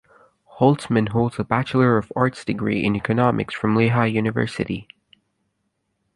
Holtzman holds a Bachelor of Arts degree in Economics from Lehigh University.